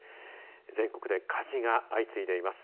全国で火事が相次いでいます。